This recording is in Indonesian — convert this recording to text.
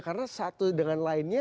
karena satu dengan lainnya